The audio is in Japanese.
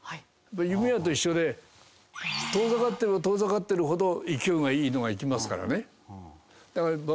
弓矢と一緒で遠ざかっていれば遠ざかっているほど勢いがいいのがいきますからね。